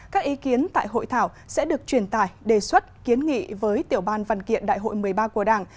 các ý kiến tại hội thảo sẽ được truyền tải đề xuất kiến nghị với tiểu ban văn kiện đại hội một mươi ba của đảng